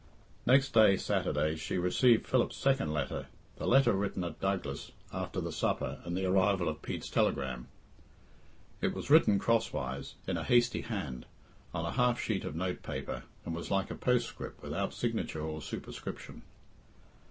Next day, Saturday, she received Philip's second letter, the letter written at Douglas after the supper and the arrival of Pete's telegram. It was written crosswise, in a hasty hand, on a half sheet of note paper, and was like a postscript, without signature or superscription